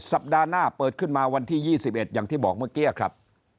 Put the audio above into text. สัปดาห์หน้าเปิดขึ้นมาวันที่๒๑อย่างที่บอกเมื่อกี้ครับ